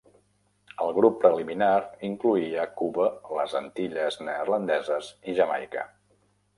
El grup preliminar incloïa Cuba, les Antilles Neerlandeses i Jamaica.